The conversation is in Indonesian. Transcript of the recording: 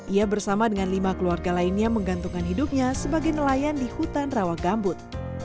ia bersama dengan lima keluarga lainnya menggantungkan hidupnya sebagai nelayan di hutan rawa gambut